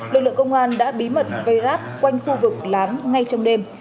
lực lượng công an đã bí mật vây ráp quanh khu vực lán ngay trong đêm